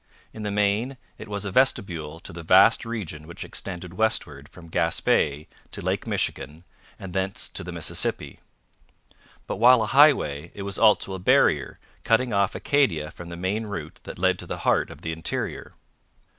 In the main it was a vestibule to the vast region which extended westward from Gaspe to Lake Michigan and thence to the Mississippi. But while a highway it was also a barrier, cutting off Acadia from the main route that led to the heart of the interior.